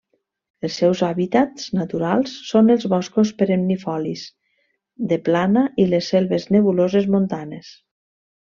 Els seus hàbitats naturals són els boscos perennifolis de plana i les selves nebuloses montanes.